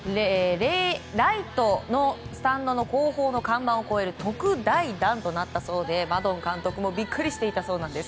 ライトスタンド後方の看板を越える特大弾となったそうでマドン監督もビックリしていたそうです。